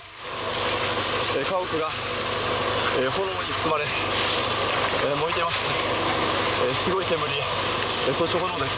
家屋が炎に包まれ燃えています。